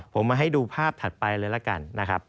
ผมมาให้ดูภาพถัดไปเลยละกัน